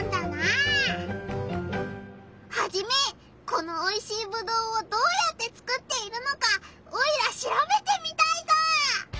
このおいしいぶどうをどうやってつくっているのかオイラしらべてみたいぞ！